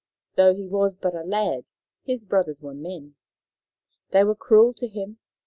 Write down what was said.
Though he was but a lad, his brothers were men. They were cruel to him.